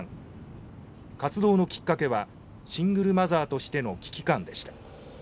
活動のきっかけはシングルマザーとしての危機感でした。